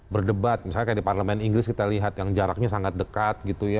berdebat misalnya kayak di parlemen inggris kita lihat yang jaraknya sangat dekat gitu ya